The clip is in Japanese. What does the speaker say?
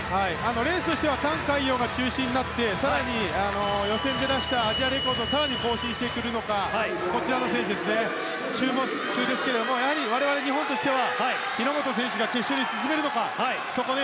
レースとしてはタン・カイヨウが中心になって更に予選で出したアジアレコードさらに更新するのか注目ですけども我々、日本としては日本選手が決勝に進めるのか。